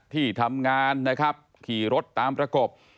ที่ทำงานนะครับขี่รถตามประกบ